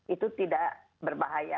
itu tidak berbahaya